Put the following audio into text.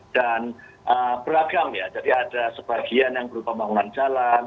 dan beragam ya jadi ada sebagian yang berupa pembangunan jalan